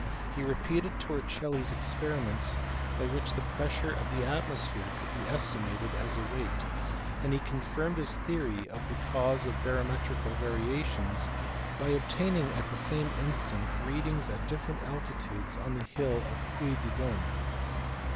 He repeated Torricelli s experiments, by which the pressure of the atmo sphere could be estimated as a weight, and he confirmed his theory of the cause of barometrical variations by obtaining at the same instant readings at different altitudes on the hill of Puy de D6me.